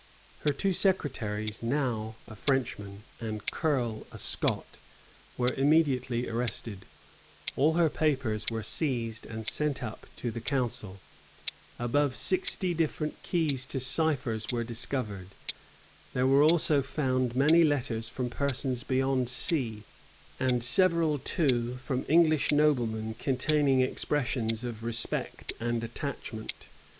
Her two secretaries, Nau, a Frenchman, and Curle, a Scot, were immediately arrested: all her papers were seized, and sent up to the council: above sixty different keys to ciphers were discovered: there were also found many letters from persons beyond sea, and several too from English noblemen containing expressions of respect and attachment.